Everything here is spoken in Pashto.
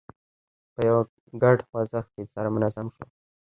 په یوه ګډ خوځښت کې سره منظم شول.